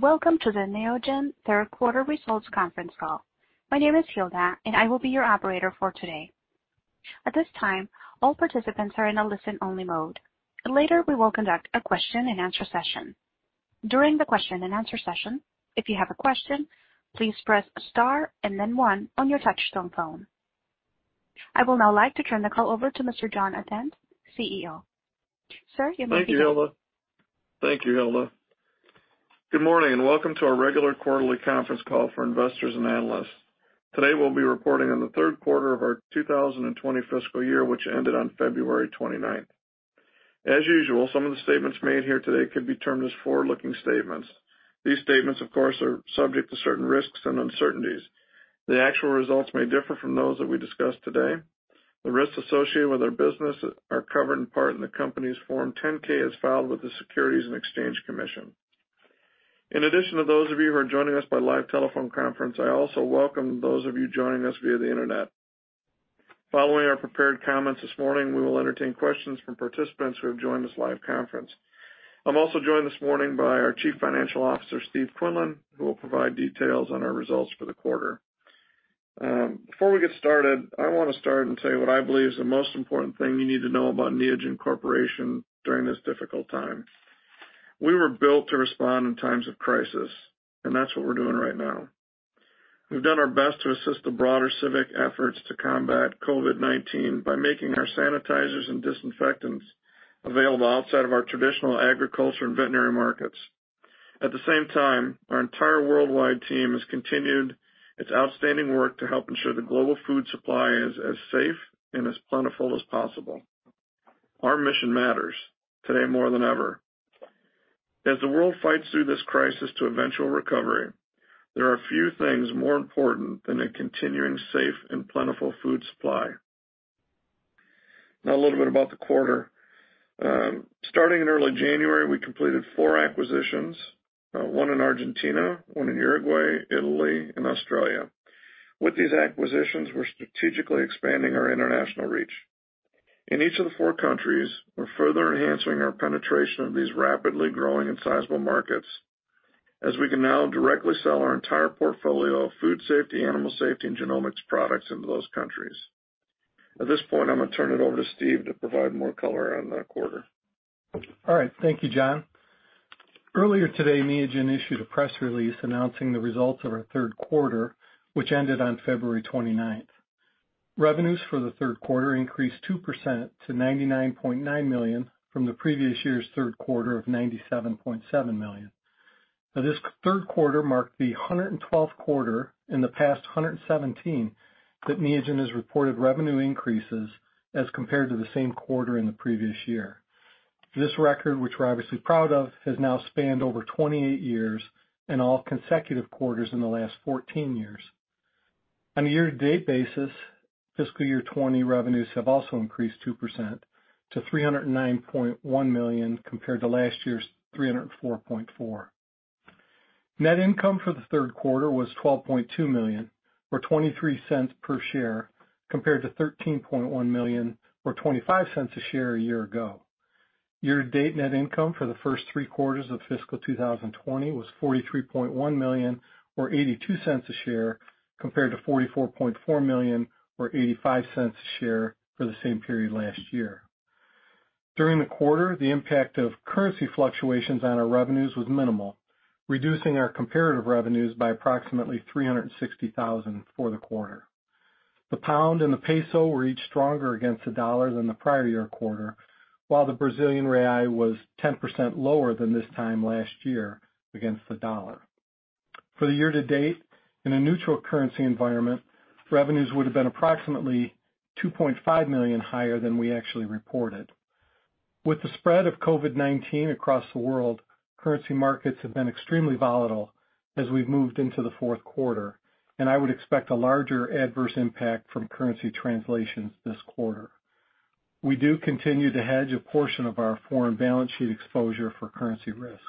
Welcome to the Neogen third quarter results conference call. My name is Hilda, and I will be your operator for today. At this time, all participants are in a listen-only mode. Later, we will conduct a question and answer session. During the question and answer session, if you have a question, please press star and then one on your touch-tone phone. I will now like to turn the call over to Mr. John Adent, CEO. Sir, you may begin. Thank you, Hilda. Good morning. Welcome to our regular quarterly conference call for investors and analysts. Today, we'll be reporting on the third quarter of our 2020 fiscal year, which ended on February 29th. As usual, some of the statements made here today could be termed as forward-looking statements. These statements, of course, are subject to certain risks and uncertainties. The actual results may differ from those that we discuss today. The risks associated with our business are covered in part in the company's Form 10-K, as filed with the Securities and Exchange Commission. In addition to those of you who are joining us by live telephone conference, I also welcome those of you joining us via the internet. Following our prepared comments this morning, we will entertain questions from participants who have joined this live conference. I'm also joined this morning by our Chief Financial Officer, Steve Quinlan, who will provide details on our results for the quarter. Before we get started, I want to start and tell you what I believe is the most important thing you need to know about Neogen Corporation during this difficult time. We were built to respond in times of crisis. That's what we're doing right now. We've done our best to assist the broader civic efforts to combat COVID-19 by making our sanitizers and disinfectants available outside of our traditional agriculture and veterinary markets. At the same time, our entire worldwide team has continued its outstanding work to help ensure the global food supply is as safe and as plentiful as possible. Our mission matters today more than ever. As the world fights through this crisis to eventual recovery, there are few things more important than a continuing safe and plentiful food supply. A little bit about the quarter. Starting in early January, we completed four acquisitions, one in Argentina, one in Uruguay, Italy, and Australia. With these acquisitions, we're strategically expanding our international reach. In each of the four countries, we're further enhancing our penetration of these rapidly growing and sizable markets, as we can now directly sell our entire portfolio of food safety, animal safety, and genomics products into those countries. At this point, I'm going to turn it over to Steve to provide more color on the quarter. All right. Thank you, John. Earlier today, Neogen issued a press release announcing the results of our third quarter, which ended on February 29th. Revenues for the third quarter increased 2% to $99.9 million from the previous year's third quarter of $97.7 million. This third quarter marked the 112th quarter in the past 117 that Neogen has reported revenue increases as compared to the same quarter in the previous year. This record, which we're obviously proud of, has now spanned over 28 years and all consecutive quarters in the last 14 years. On a year-to-date basis, fiscal year 2020 revenues have also increased 2% to $309.1 million, compared to last year's $304.4 million. Net income for the third quarter was $12.2 million or $0.23 per share, compared to $13.1 million or $0.25 a share a year ago. Year-to-date net income for the first three quarters of fiscal 2020 was $43.1 million or $0.82 a share, compared to $44.4 million or $0.85 a share for the same period last year. During the quarter, the impact of currency fluctuations on our revenues was minimal, reducing our comparative revenues by approximately $360,000 for the quarter. The pound and the peso were each stronger against the dollar than the prior year quarter, while the Brazilian real was 10% lower than this time last year against the dollar. For the year to date, in a neutral currency environment, revenues would have been approximately $2.5 million higher than we actually reported. With the spread of COVID-19 across the world, currency markets have been extremely volatile as we've moved into the fourth quarter, I would expect a larger adverse impact from currency translations this quarter. We do continue to hedge a portion of our foreign balance sheet exposure for currency risk.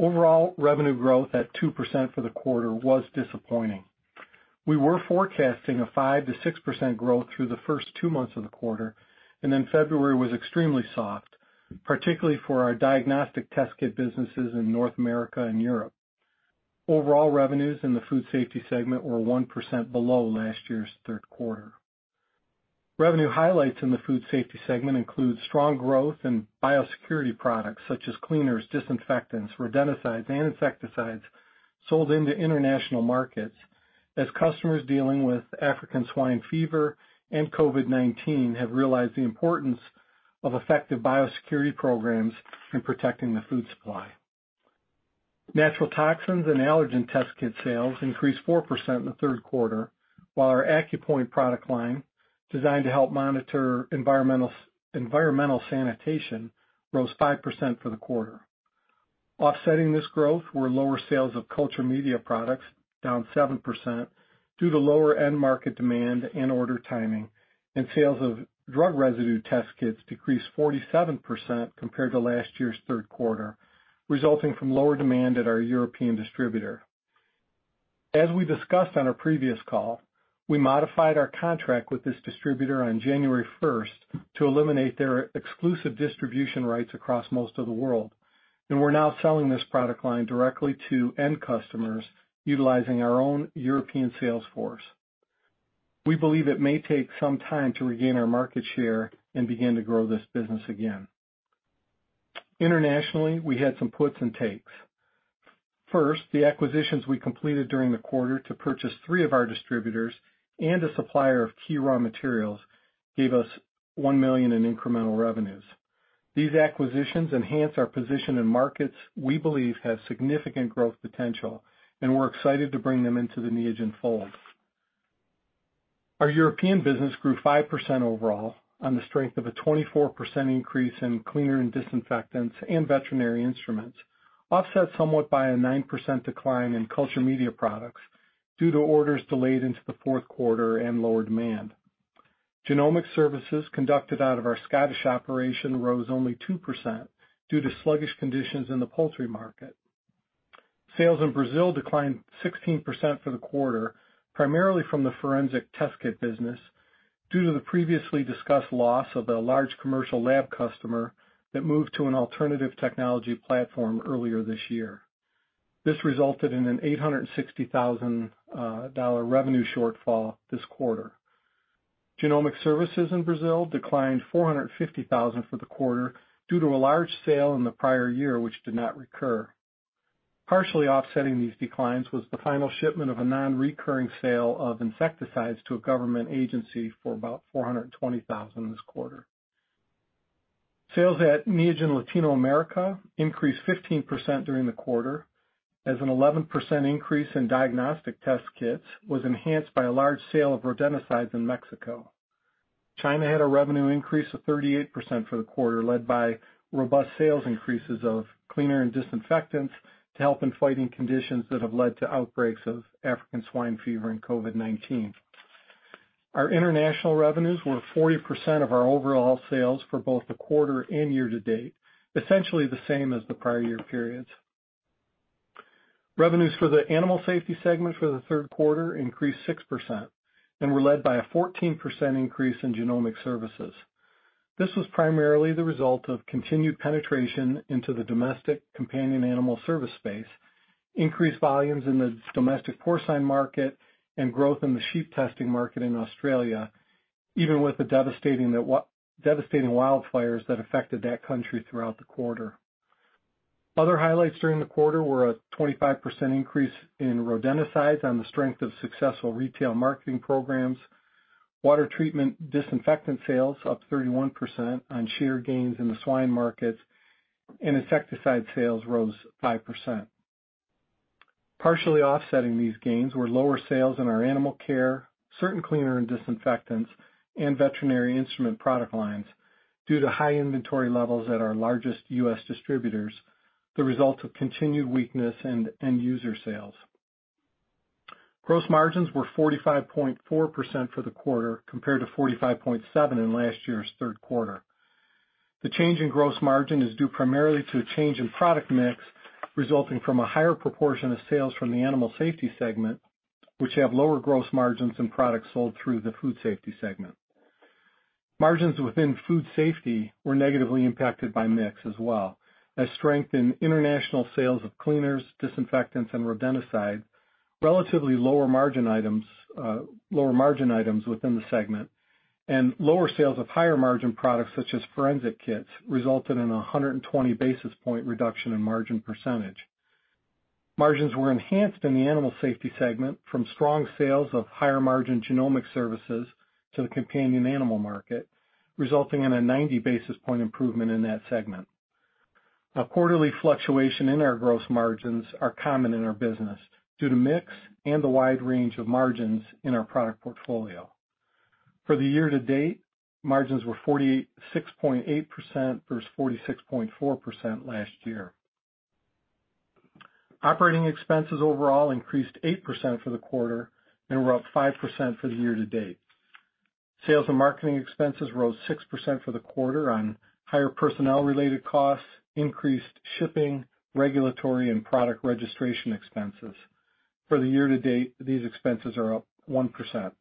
Overall, revenue growth at 2% for the quarter was disappointing. We were forecasting a 5%-6% growth through the first two months of the quarter, February was extremely soft, particularly for our diagnostic test kit businesses in North America and Europe. Overall revenues in the food safety segment were 1% below last year's third quarter. Revenue highlights in the food safety segment include strong growth in biosecurity products such as cleaners, disinfectants, rodenticides, and insecticides sold into international markets as customers dealing with African swine fever and COVID-19 have realized the importance of effective biosecurity programs in protecting the food supply. Natural toxins and allergen test kit sales increased 4% in the third quarter, while our AccuPoint product line, designed to help monitor environmental sanitation, rose 5% for the quarter. Offsetting this growth were lower sales of culture media products, down 7%, due to lower end market demand and order timing, and sales of drug residue test kits decreased 47% compared to last year's third quarter, resulting from lower demand at our European distributor. As we discussed on our previous call, we modified our contract with this distributor on January 1st to eliminate their exclusive distribution rights across most of the world, and we're now selling this product line directly to end customers utilizing our own European sales force. We believe it may take some time to regain our market share and begin to grow this business again. Internationally, we had some puts and takes. First, the acquisitions we completed during the quarter to purchase three of our distributors and a supplier of key raw materials gave us $1 million in incremental revenues. These acquisitions enhance our position in markets we believe have significant growth potential, and we're excited to bring them into the Neogen fold. Our European business grew 5% overall on the strength of a 24% increase in cleaner and disinfectants and veterinary instruments, offset somewhat by a 9% decline in culture media products due to orders delayed into the fourth quarter and lower demand. Genomic services conducted out of our Scottish operation rose only 2% due to sluggish conditions in the poultry market. Sales in Brazil declined 16% for the quarter, primarily from the forensic test kit business, due to the previously discussed loss of a large commercial lab customer that moved to an alternative technology platform earlier this year. This resulted in an $860,000 revenue shortfall this quarter. Genomic services in Brazil declined $450,000 for the quarter due to a large sale in the prior year, which did not recur. Partially offsetting these declines was the final shipment of a non-recurring sale of insecticides to a government agency for about $420,000 this quarter. Sales at Neogen Latinoamérica increased 15% during the quarter as an 11% increase in diagnostic test kits was enhanced by a large sale of rodenticides in Mexico. China had a revenue increase of 38% for the quarter, led by robust sales increases of cleaner and disinfectants to help in fighting conditions that have led to outbreaks of African swine fever and COVID-19. Our international revenues were 40% of our overall sales for both the quarter and year-to-date, essentially the same as the prior year periods. Revenues for the Animal Safety segment for the third quarter increased 6% and were led by a 14% increase in genomic services. This was primarily the result of continued penetration into the domestic companion animal service space, increased volumes in the domestic porcine market, and growth in the sheep testing market in Australia, even with the devastating wildfires that affected that country throughout the quarter. Other highlights during the quarter were a 25% increase in rodenticides on the strength of successful retail marketing programs. Water treatment disinfectant sales up 31% on share gains in the swine markets, and insecticide sales rose 5%. Partially offsetting these gains were lower sales in our animal care, certain cleaner and disinfectants, and veterinary instrument product lines due to high inventory levels at our largest U.S. distributors, the result of continued weakness in end user sales. Gross margins were 45.4% for the quarter compared to 45.7% in last year's third quarter. The change in gross margin is due primarily to a change in product mix resulting from a higher proportion of sales from the Animal Safety segment, which have lower gross margins than products sold through the Food Safety segment. Margins within Food Safety were negatively impacted by mix as well as strength in international sales of cleaners, disinfectants, and rodenticides, relatively lower margin items within the segment. Lower sales of higher margin products such as forensic kits resulted in 120 basis point reduction in margin percentage. Margins were enhanced in the Animal Safety segment from strong sales of higher margin genomic services to the companion animal market, resulting in a 90-basis point improvement in that segment. Quarterly fluctuation in our gross margins are common in our business due to mix and the wide range of margins in our product portfolio. For the year-to-date, margins were 46.8% versus 46.4% last year. Operating expenses overall increased 8% for the quarter and were up 5% for the year-to-date. Sales and marketing expenses rose 6% for the quarter on higher personnel-related costs, increased shipping, regulatory, and product registration expenses. For the year-to-date, these expenses are up 1%.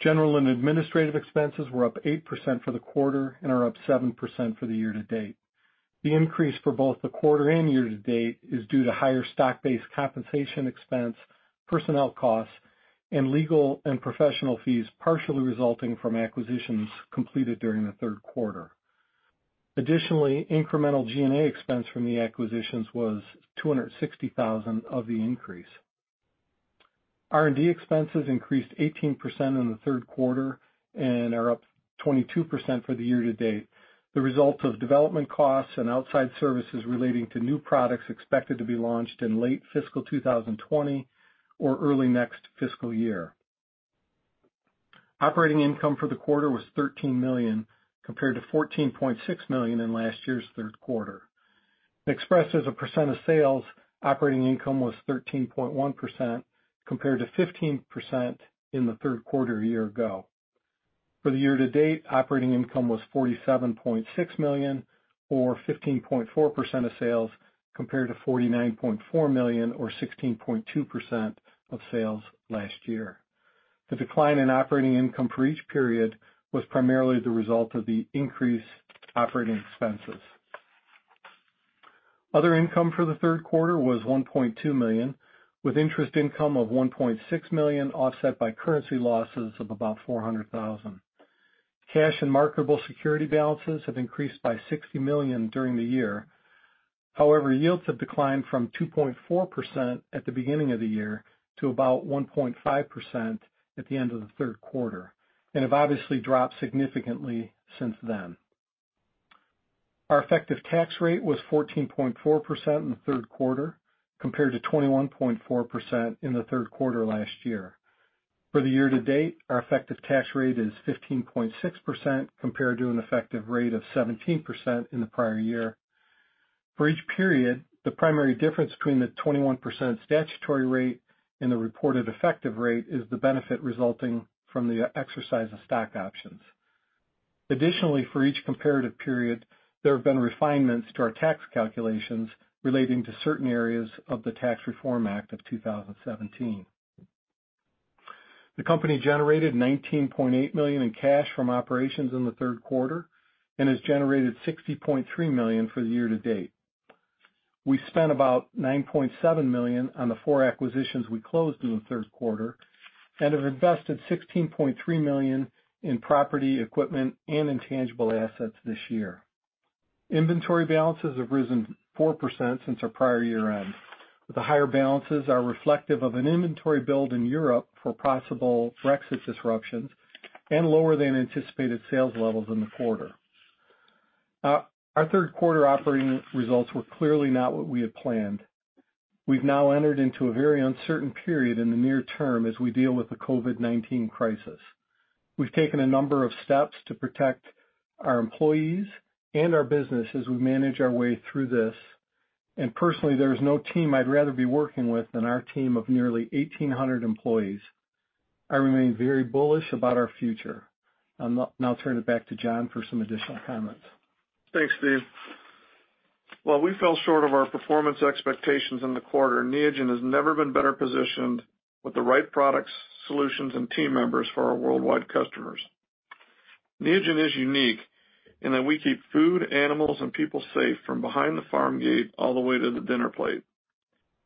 General and administrative expenses were up 8% for the quarter and are up 7% for the year-to-date. The increase for both the quarter and year-to-date is due to higher stock-based compensation expense, personnel costs, and legal and professional fees partially resulting from acquisitions completed during the third quarter. Additionally, incremental G&A expense from the acquisitions was $260,000 of the increase. R&D expenses increased 18% in the third quarter and are up 22% for the year-to-date, the result of development costs and outside services relating to new products expected to be launched in late fiscal 2020 or early next fiscal year. Operating income for the quarter was $13 million, compared to $14.6 million in last year's third quarter. Expressed as a percent of sales, operating income was 13.1% compared to 15% in the third quarter a year ago. For the year to date, operating income was $47.6 million or 15.4% of sales, compared to $49.4 million or 16.2% of sales last year. The decline in operating income for each period was primarily the result of the increased operating expenses. Other income for the third quarter was $1.2 million, with interest income of $1.6 million offset by currency losses of about $400,000. Cash and marketable security balances have increased by $60 million during the year. However, yields have declined from 2.4% at the beginning of the year to about 1.5% at the end of the third quarter, and have obviously dropped significantly since then. Our effective tax rate was 14.4% in the third quarter, compared to 21.4% in the third quarter last year. For the year to date, our effective tax rate is 15.6%, compared to an effective rate of 17% in the prior year. For each period, the primary difference between the 21% statutory rate and the reported effective rate is the benefit resulting from the exercise of stock options. Additionally, for each comparative period, there have been refinements to our tax calculations relating to certain areas of the Tax Reform Act of 2017. The company generated $19.8 million in cash from operations in the third quarter and has generated $60.3 million for the year to date. We spent about $9.7 million on the four acquisitions we closed in the third quarter and have invested $16.3 million in property, equipment, and intangible assets this year. Inventory balances have risen 4% since our prior year-end. The higher balances are reflective of an inventory build in Europe for possible Brexit disruptions and lower than anticipated sales levels in the quarter. Our third-quarter operating results were clearly not what we had planned. We've now entered into a very uncertain period in the near term as we deal with the COVID-19 crisis. We've taken a number of steps to protect our employees and our business as we manage our way through this. Personally, there is no team I'd rather be working with than our team of nearly 1,800 employees. I remain very bullish about our future. I'll now turn it back to John for some additional comments. Thanks, Steve. While we fell short of our performance expectations in the quarter, Neogen has never been better positioned with the right products, solutions, and team members for our worldwide customers. Neogen is unique in that we keep food, animals, and people safe from behind the farm gate all the way to the dinner plate.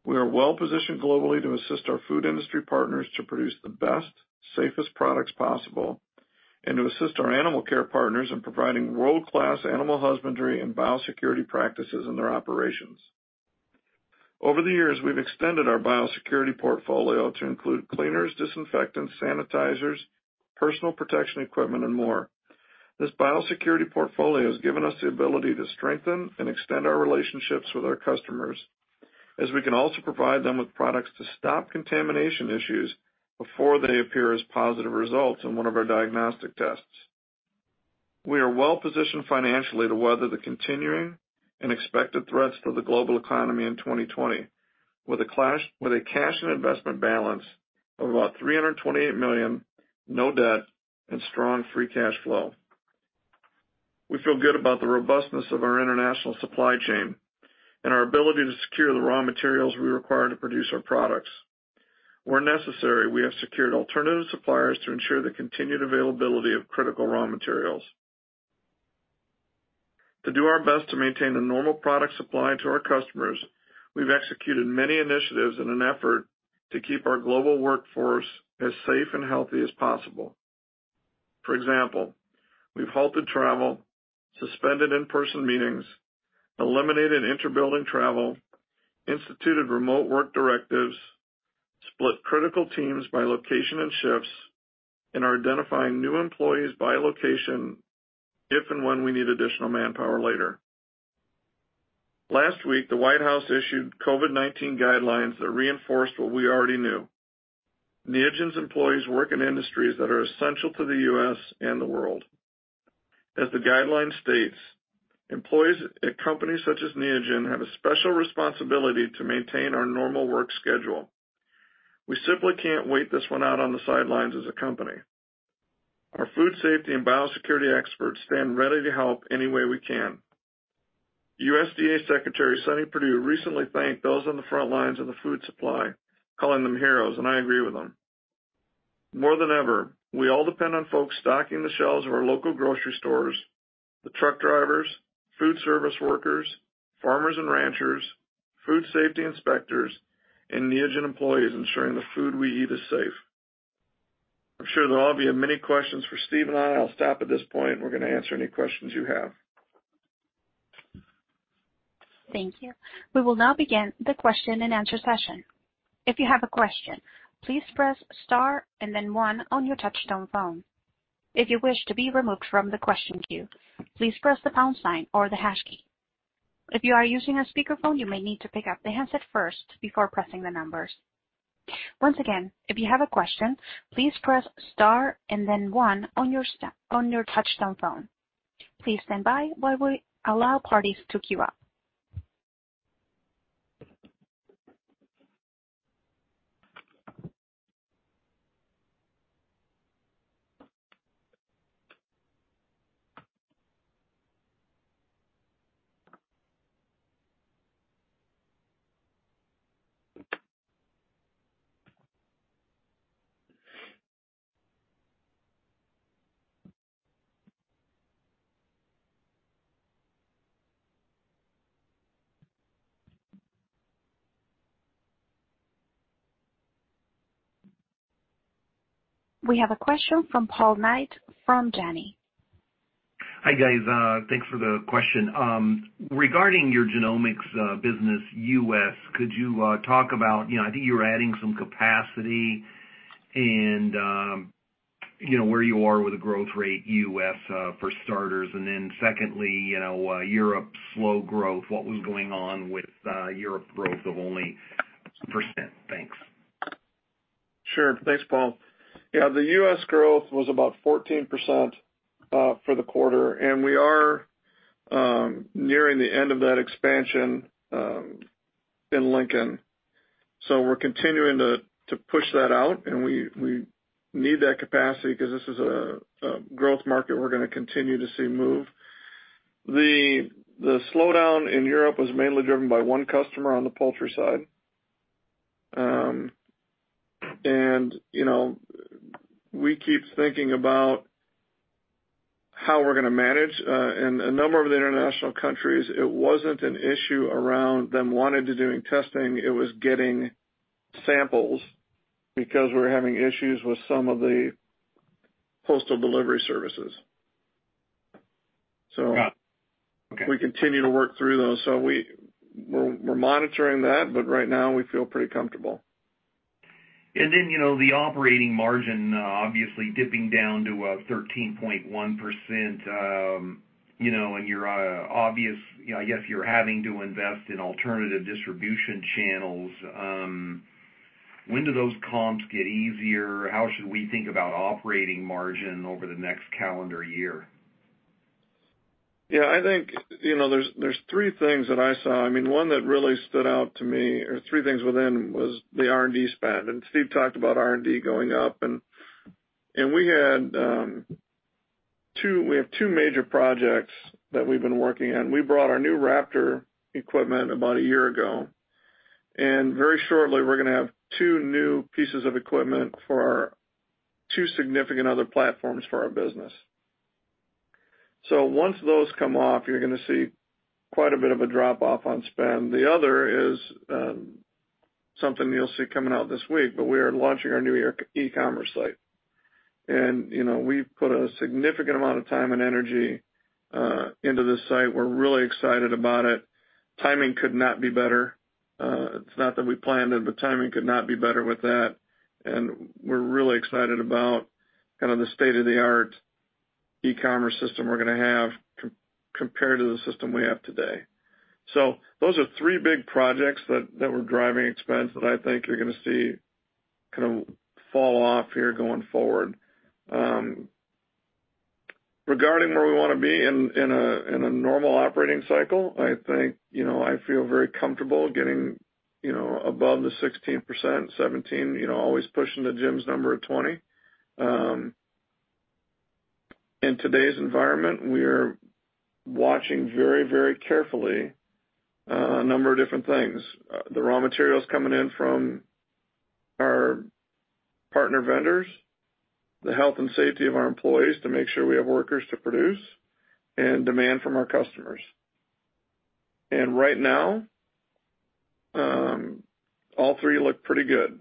We are well-positioned globally to assist our food industry partners to produce the best, safest products possible and to assist our animal care partners in providing world-class animal husbandry and biosecurity practices in their operations. Over the years, we've extended our biosecurity portfolio to include cleaners, disinfectants, sanitizers, personal protection equipment, and more. This biosecurity portfolio has given us the ability to strengthen and extend our relationships with our customers, as we can also provide them with products to stop contamination issues before they appear as positive results in one of our diagnostic tests. We are well-positioned financially to weather the continuing and expected threats to the global economy in 2020, with a cash and investment balance of about $328 million, no debt, and strong free cash flow. We feel good about the robustness of our international supply chain and our ability to secure the raw materials we require to produce our products. Where necessary, we have secured alternative suppliers to ensure the continued availability of critical raw materials. To do our best to maintain a normal product supply to our customers, we've executed many initiatives in an effort to keep our global workforce as safe and healthy as possible. For example, we've halted travel, suspended in-person meetings, eliminated inter-building travel, instituted remote work directives, split critical teams by location and shifts, and are identifying new employees by location if and when we need additional manpower later. Last week, the White House issued COVID-19 guidelines that reinforced what we already knew. Neogen's employees work in industries that are essential to the U.S. and the world. As the guideline states, employees at companies such as Neogen have a special responsibility to maintain our normal work schedule. We simply can't wait this one out on the sidelines as a company. Our food safety and biosecurity experts stand ready to help any way we can. USDA Secretary Sonny Perdue recently thanked those on the front lines of the food supply, calling them heroes, and I agree with him. More than ever, we all depend on folks stocking the shelves of our local grocery stores, the truck drivers, food service workers, farmers and ranchers, food safety inspectors, and Neogen employees ensuring the food we eat is safe. I'm sure there'll all be many questions for Steve and I. I'll stop at this point, and we're going to answer any questions you have. Thank you. We will now begin the question and answer session. If you have a question, please press star and then one on your touchtone phone. If you wish to be removed from the question queue, please press the pound sign or the hash key. If you are using a speakerphone, you may need to pick up the handset first before pressing the numbers. Once again, if you have a question, please press star and then one on your touchtone phone. Please stand by while we allow parties to queue up. We have a question from Paul Knight from Janney. Hi, guys. Thanks for the question. Regarding your genomics business, U.S., could you talk about, I think you were adding some capacity and where you are with the growth rate U.S. for starters, and then secondly, Europe slow growth, what was going on with Europe growth of only percent? Thanks. Sure. Thanks, Paul. Yeah, the U.S. growth was about 14% for the quarter, and we are nearing the end of that expansion in Lincoln. We're continuing to push that out, and we need that capacity because this is a growth market we're going to continue to see move. The slowdown in Europe was mainly driven by one customer on the poultry side. We keep thinking about how we're going to manage. In a number of the international countries, it wasn't an issue around them wanting to doing testing. It was getting samples because we were having issues with some of the postal delivery services. Got it. Okay. We continue to work through those. We're monitoring that, but right now we feel pretty comfortable. The operating margin obviously dipping down to 13.1%, and your obvious, I guess you're having to invest in alternative distribution channels. When do those comps get easier? How should we think about operating margin over the next calendar year? Yeah, I think, there's three things that I saw. One that really stood out to me, or three things within, was the R&D spend. Steve talked about R&D going up. We have two major projects that we've been working on. We brought our new Raptor equipment about a year ago, and very shortly we're going to have two new pieces of equipment for our two significant other platforms for our business. Once those come off, you're going to see quite a bit of a drop off on spend. The other is something you'll see coming out this week, we are launching our new e-commerce site. We've put a significant amount of time and energy into this site. We're really excited about it. Timing could not be better. It's not that we planned it, timing could not be better with that. We're really excited about kind of the state-of-the-art e-commerce system we're going to have compared to the system we have today. Those are three big projects that were driving expense that I think you're going to see kind of fall off here going forward. Regarding where we want to be in a normal operating cycle, I think, I feel very comfortable getting above the 16%, 17%, always pushing to Jim's number of 20%. In today's environment, we're watching very carefully a number of different things. The raw materials coming in from our partner vendors, the health and safety of our employees to make sure we have workers to produce, and demand from our customers. Right now, all three look pretty good.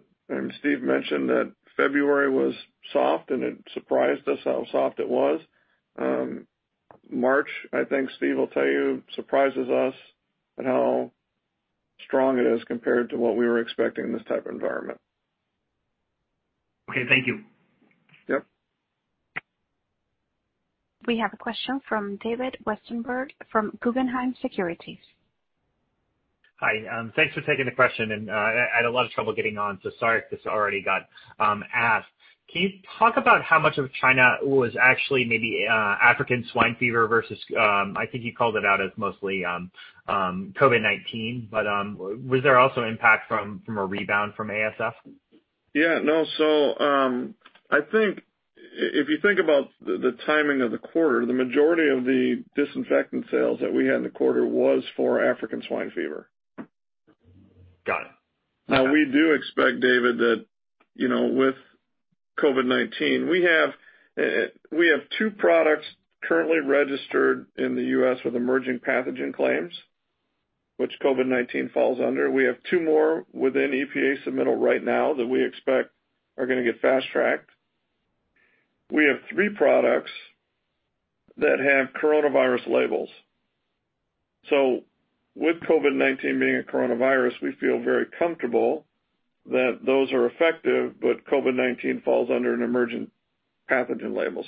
Steve mentioned that February was soft, and it surprised us how soft it was. March, I think Steve will tell you, surprises us at how strong it is compared to what we were expecting in this type of environment. Okay. Thank you. Yep. We have a question from David Westenberg from Guggenheim Securities. Hi. Thanks for taking the question. I had a lot of trouble getting on. Sorry if this already got asked. Can you talk about how much of China was actually maybe African swine fever versus, I think you called it out as mostly COVID-19. Was there also impact from a rebound from ASF? Yeah, no. I think if you think about the timing of the quarter, the majority of the disinfectant sales that we had in the quarter was for African swine fever. Got it. Okay. We do expect, David, that with COVID-19, we have two products currently registered in the U.S. with emerging pathogen claims, which COVID-19 falls under. We have two more within EPA submittal right now that we expect are going to get fast-tracked. We have three products that have coronavirus labels. With COVID-19 being a coronavirus, we feel very comfortable that those are effective, but COVID-19 falls under an emerging pathogen label.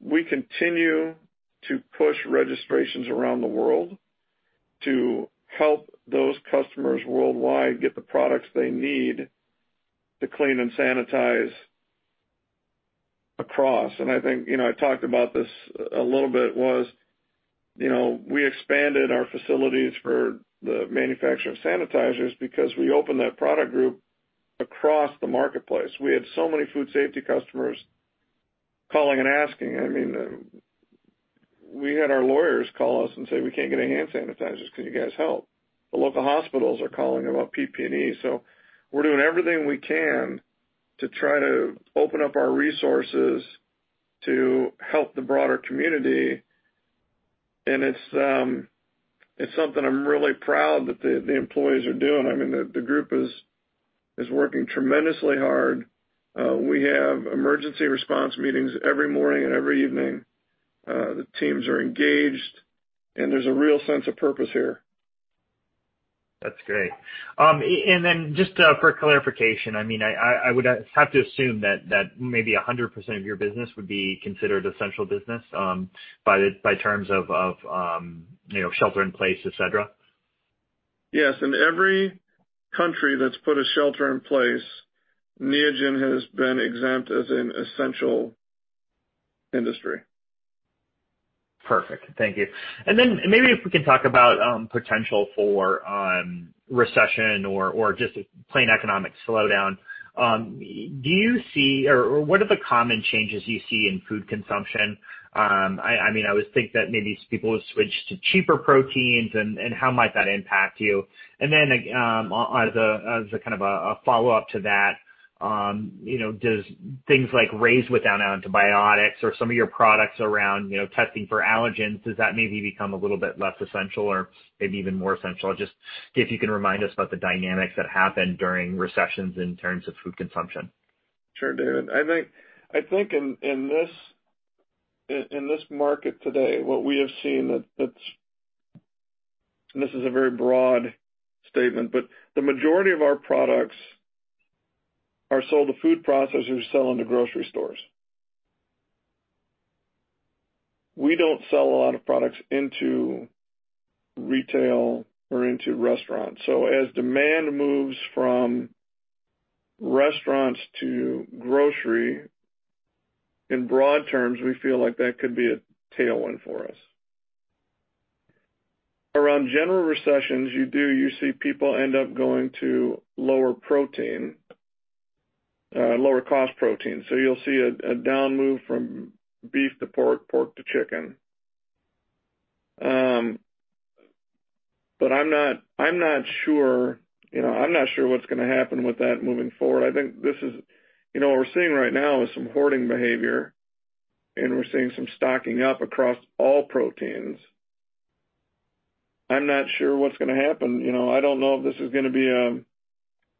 We continue to push registrations around the world to help those customers worldwide get the products they need to clean and sanitizeAcross. I talked about this a little bit was, we expanded our facilities for the manufacture of sanitizers because we opened that product group across the marketplace. We had so many food safety customers calling and asking. We had our lawyers call us and say, "We can't get any hand sanitizers. Can you guys help?" The local hospitals are calling about PPE. We're doing everything we can to try to open up our resources to help the broader community, and it's something I'm really proud that the employees are doing. The group is working tremendously hard. We have emergency response meetings every morning and every evening. The teams are engaged, and there's a real sense of purpose here. That's great. Just for clarification, I would have to assume that maybe 100% of your business would be considered essential business by terms of shelter in place, et cetera? Yes. In every country that's put a shelter in place, Neogen has been exempt as an essential industry. Perfect. Thank you. Maybe if we can talk about potential for recession or just a plain economic slowdown. What are the common changes you see in food consumption? I would think that maybe people would switch to cheaper proteins, and how might that impact you? As a follow-up to that, does things like raised without antibiotics or some of your products around testing for allergens, does that maybe become a little bit less essential or maybe even more essential? Just if you can remind us about the dynamics that happen during recessions in terms of food consumption? Sure, David. I think in this market today, what we have seen, and this is a very broad statement, but the majority of our products are sold to food processors who sell into grocery stores. We don't sell a lot of products into retail or into restaurants. As demand moves from restaurants to grocery, in broad terms, we feel like that could be a tailwind for us. Around general recessions, you see people end up going to lower cost protein. You'll see a down move from beef to pork to chicken. I'm not sure what's going to happen with that moving forward. What we're seeing right now is some hoarding behavior, and we're seeing some stocking up across all proteins. I'm not sure what's going to happen. I don't know if this is going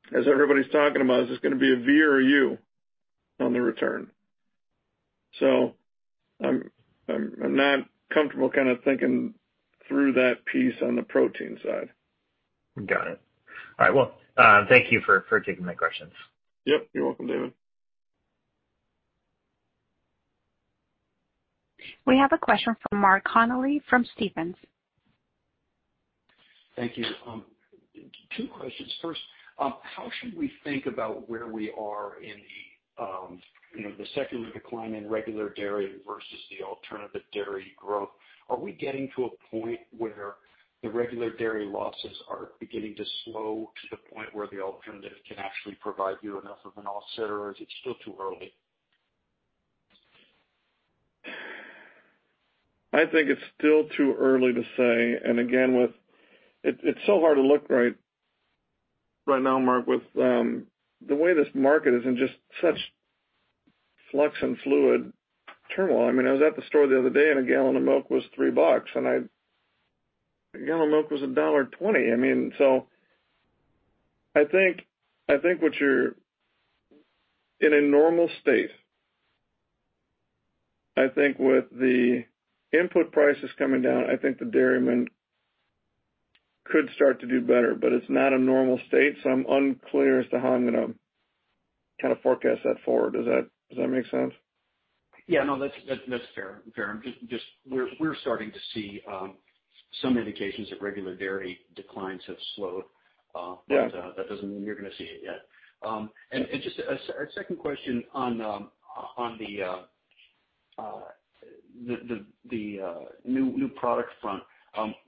to be, as everybody's talking about, is this going to be a V or a U on the return? I'm not comfortable thinking through that piece on the protein side. Got it. All right. Well, thank you for taking my questions. Yep. You're welcome, David. We have a question from Mark Connelly from Stephens. Thank you. Two questions. First, how should we think about where we are in the secular decline in regular dairy versus the alternative dairy growth? Are we getting to a point where the regular dairy losses are beginning to slow to the point where the alternative can actually provide you enough of an offset, or is it still too early? I think it's still too early to say. Again, it's so hard to look right now, Mark, with the way this market is in just such flux and fluid turmoil. I was at the store the other day, a gallon of milk was $3, a gallon of milk was $1.20. In a normal state, I think with the input prices coming down, I think the dairymen could start to do better. It's not a normal state, so I'm unclear as to how I'm going to forecast that forward. Does that make sense? Yeah, no. That's fair. We're starting to see some indications that regular dairy declines have slowed. Yeah. That doesn't mean you're going to see it yet. Yeah. Just a second question on the new product front.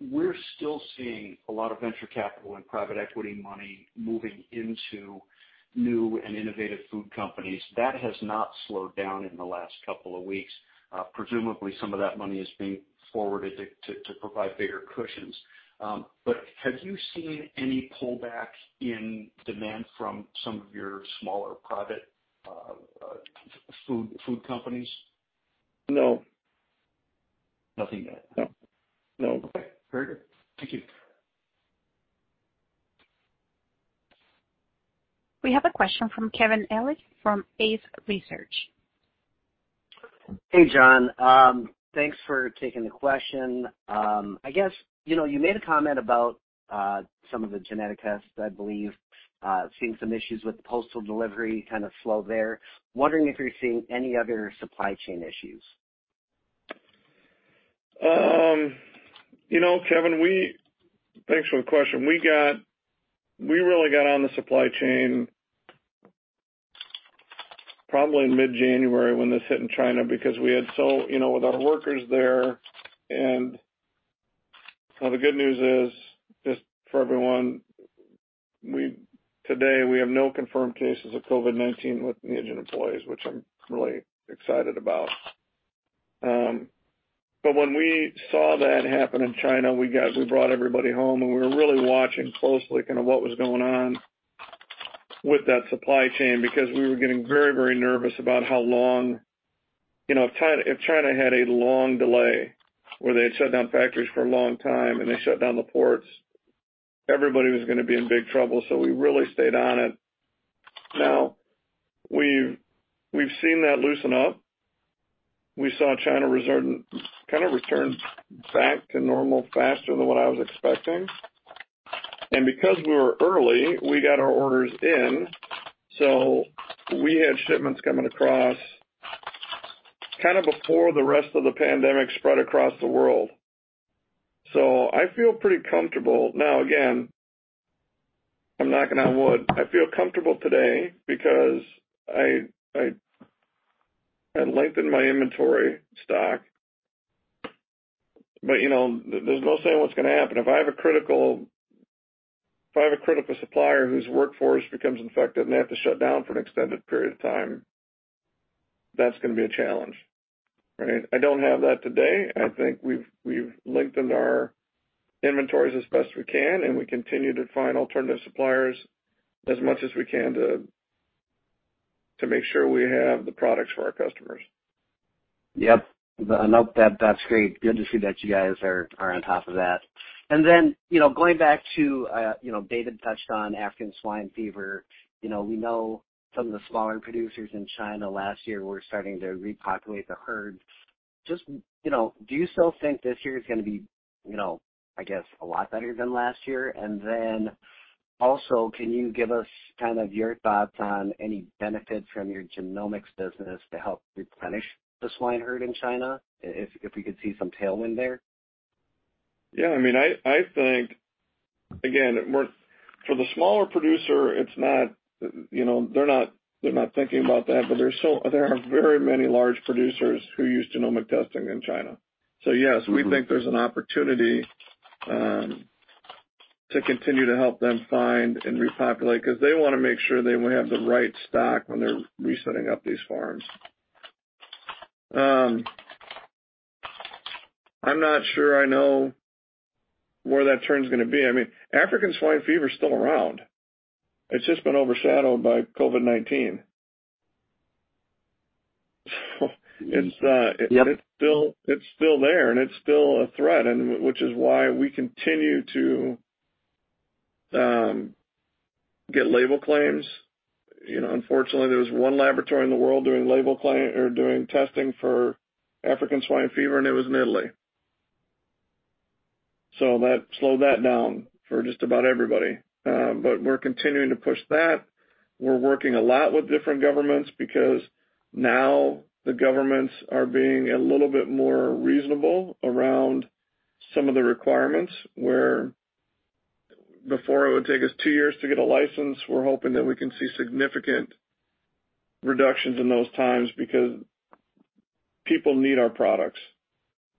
We're still seeing a lot of venture capital and private equity money moving into new and innovative food companies. That has not slowed down in the last couple of weeks. Presumably, some of that money is being forwarded to provide bigger cushions. Have you seen any pullback in demand from some of your smaller private food companies? No. Nothing yet? No. Okay. Very good. Thank you. We have a question from Kevin Ellis from Pace Research. Hey, John. Thanks for taking the question. I guess, you made a comment about some of the genetic tests, I believe, seeing some issues with the postal delivery slow there. I'm wondering if you're seeing any other supply chain issues? Kevin, thanks for the question. We really got on the supply chain probably in mid-January when this hit in China because with our workers there. Now the good news is, just for everyone, today, we have no confirmed cases of COVID-19 with Neogen employees, which I'm really excited about. When we saw that happen in China, we brought everybody home, and we were really watching closely what was going on with that supply chain, because we were getting very nervous about how long. If China had a long delay where they had shut down factories for a long time and they shut down the ports, everybody was going to be in big trouble. We really stayed on it. Now, we've seen that loosen up. We saw China return back to normal faster than what I was expecting. Because we were early, we got our orders in. We had shipments coming across before the rest of the pandemic spread across the world. I feel pretty comfortable. Now, again, I'm knocking on wood. I feel comfortable today because I lengthened my inventory stock. There's no saying what's going to happen. If I have a critical supplier whose workforce becomes infected and they have to shut down for an extended period of time, that's going to be a challenge. Right? I don't have that today. I think we've lengthened our inventories as best we can, and we continue to find alternative suppliers as much as we can to make sure we have the products for our customers. Yep. No, that's great. Good to see that you guys are on top of that. Going back to, David touched on African swine fever. We know some of the smaller producers in China last year were starting to repopulate the herd. Do you still think this year is going to be, I guess, a lot better than last year? Also, can you give us your thoughts on any benefit from your genomics business to help replenish the swine herd in China, if we could see some tailwind there? Yeah. I think, again, for the smaller producer, they're not thinking about that, but there are very many large producers who use genomic testing in China. Yes, we think there's an opportunity to continue to help them find and repopulate, because they want to make sure they have the right stock when they're resetting up these farms. I'm not sure I know where that turn's going to be. African swine fever is still around. It's just been overshadowed by COVID-19. Yep it's still there and it's still a threat, which is why we continue to get label claims. Unfortunately, there was one laboratory in the world doing testing for African swine fever, and it was in Italy. That slowed that down for just about everybody. We're continuing to push that. We're working a lot with different governments because now the governments are being a little bit more reasonable around some of the requirements, where before it would take us two years to get a license. We're hoping that we can see significant reductions in those times because people need our products.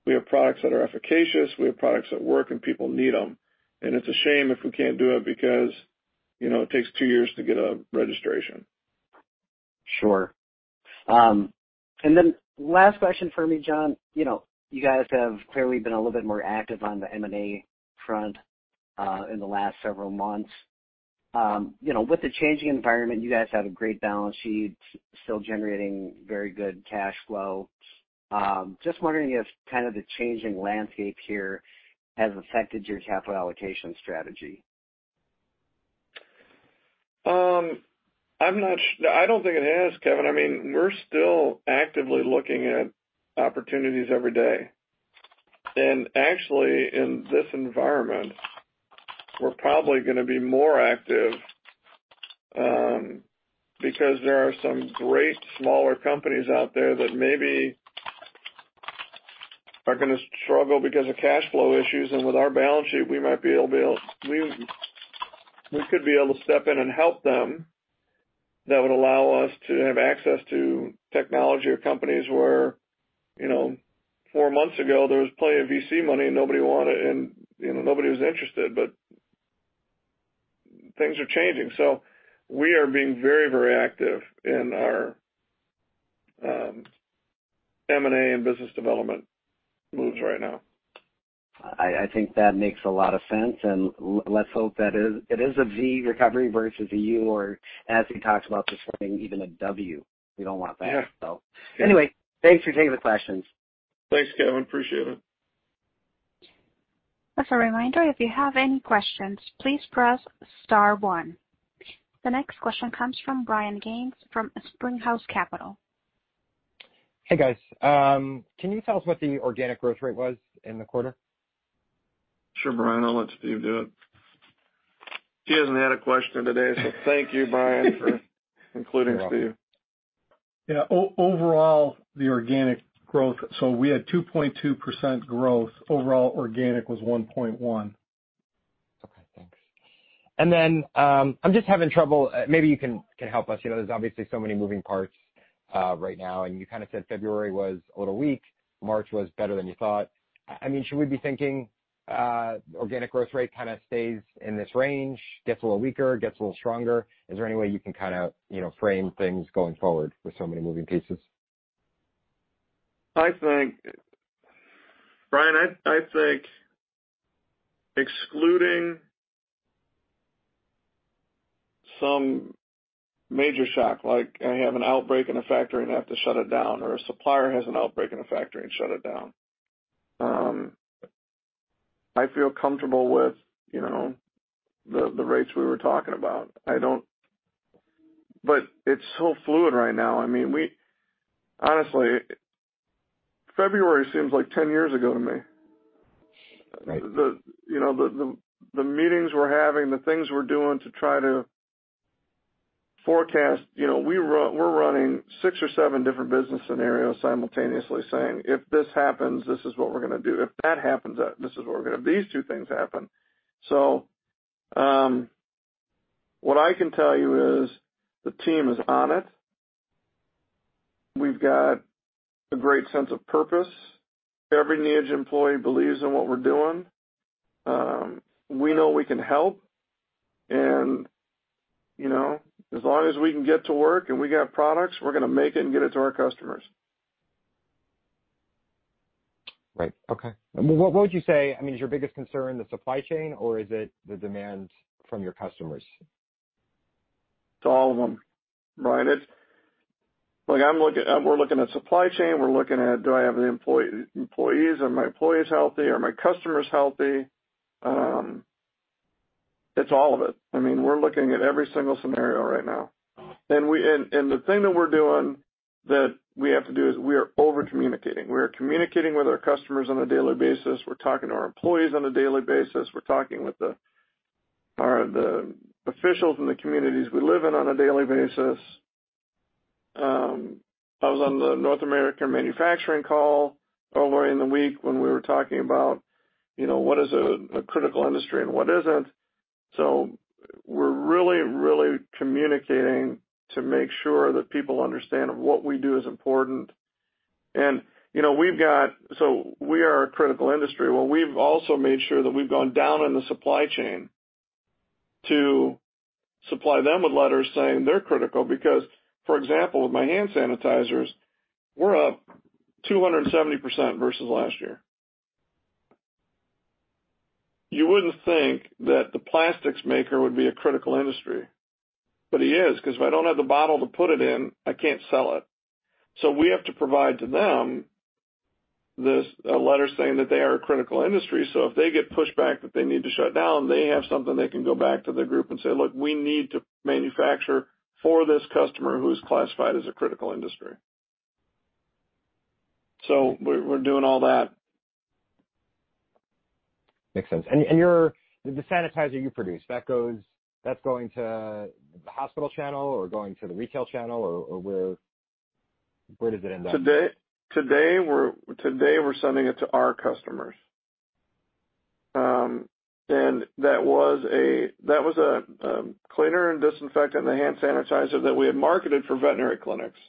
We have products that are efficacious, we have products that work, and people need them. It's a shame if we can't do it because it takes two years to get a registration. Sure. Last question from me, John. You guys have clearly been a little bit more active on the M&A front in the last several months. With the changing environment, you guys have a great balance sheet, still generating very good cash flow. Just wondering if the changing landscape here has affected your capital allocation strategy? I don't think it has, Kevin. We're still actively looking at opportunities every day. Actually, in this environment, we're probably going to be more active because there are some great smaller companies out there that maybe are going to struggle because of cash flow issues. With our balance sheet, we could be able to step in and help them. That would allow us to have access to technology or companies where four months ago there was plenty of VC money and nobody wanted it and nobody was interested. Things are changing. We are being very active in our M&A and business development moves right now. I think that makes a lot of sense. Let's hope that it is a V recovery versus a U, or as we talked about this morning, even a W. We don't want that. Yeah. Anyway, thanks for taking the questions. Thanks, Kevin. Appreciate it. As a reminder, if you have any questions, please press star one. The next question comes from Brian Gaines from Springhouse Capital. Hey, guys. Can you tell us what the organic growth rate was in the quarter? Sure, Brian. I'll let Steve do it. He hasn't had a question today. Thank you, Brian, for including Steve. You're welcome. Yeah. Overall, the organic growth, so we had 2.2% growth. Overall organic was 1.1%. Okay, thanks. I'm just having trouble. Maybe you can help us. There's obviously so many moving parts right now, and you kind of said February was a little weak, March was better than you thought. Should we be thinking organic growth rate kind of stays in this range, gets a little weaker, gets a little stronger? Is there any way you can frame things going forward with so many moving pieces? Brian, I think excluding some major shock, like I have an outbreak in a factory and have to shut it down, or a supplier has an outbreak in a factory and shut it down, I feel comfortable with the rates we were talking about. It's so fluid right now. Honestly, February seems like 10 years ago to me. Right. The meetings we're having, the things we're doing to try to forecast. We're running six or seven different business scenarios simultaneously saying, "If this happens, this is what we're going to do. If that happens, this is what we're going to do. These two things happen." What I can tell you is the team is on it. We've got a great sense of purpose. Every Neogen employee believes in what we're doing. We know we can help. As long as we can get to work and we got products, we're going to make it and get it to our customers. Right. Okay. What would you say is your biggest concern, the supply chain, or is it the demand from your customers? It's all of them, Brian. We're looking at supply chain. We're looking at do I have the employees? Are my employees healthy? Are my customers healthy? It's all of it. We're looking at every single scenario right now. The thing that we have to do is we are over-communicating. We are communicating with our customers on a daily basis. We're talking to our employees on a daily basis. We're talking with the officials in the communities we live in on a daily basis. I was on the North American Manufacturing call earlier in the week when we were talking about what is a critical industry and what isn't. We're really communicating to make sure that people understand that what we do is important. We are a critical industry. Well, we've also made sure that we've gone down in the supply chain to supply them with letters saying they're critical because, for example, with my hand sanitizers, we're up 270% versus last year. You wouldn't think that the plastics maker would be a critical industry, but he is, because if I don't have the bottle to put it in, I can't sell it. We have to provide to them a letter saying that they are a critical industry, so if they get pushback that they need to shut down, they have something they can go back to the group and say, "Look, we need to manufacture for this customer who's classified as a critical industry." We're doing all that. Makes sense. The sanitizer you produce, that's going to the hospital channel or going to the retail channel, or where does it end up? Today, we're sending it to our customers. That was a cleaner and disinfectant, the hand sanitizer that we had marketed for veterinary clinics.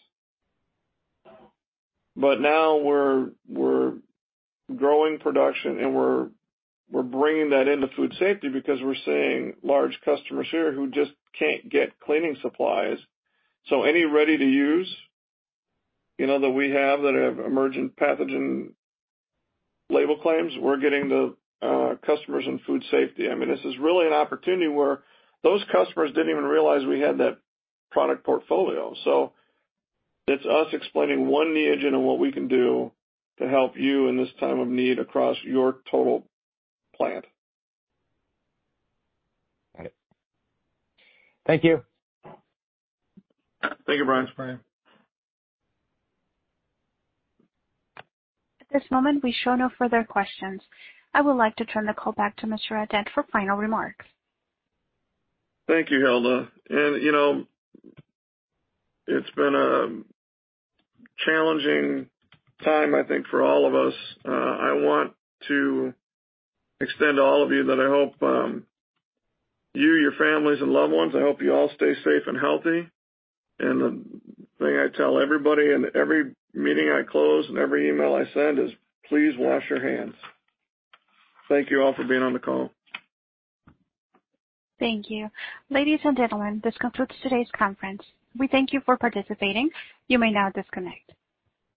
Oh. Now we're growing production, and we're bringing that into food safety because we're seeing large customers here who just can't get cleaning supplies. Any ready-to-use that we have that have emergent pathogen label claims, we're getting the customers in food safety. This is really an opportunity where those customers didn't even realize we had that product portfolio. It's us explaining one Neogen and what we can do to help you in this time of need across your total plant. Got it. Thank you. Thank you, Brian. Thanks, Brian. At this moment, we show no further questions. I would like to turn the call back to Mr. Adent for final remarks. Thank you, Hilda. It's been a challenging time, I think, for all of us. I want to extend to all of you that I hope you, your families, and loved ones, I hope you all stay safe and healthy. The thing I tell everybody in every meeting I close and every email I send is please wash your hands. Thank you all for being on the call. Thank you. Ladies and gentlemen, this concludes today's conference. We thank you for participating. You may now disconnect.